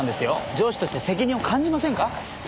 上司として責任を感じませんか？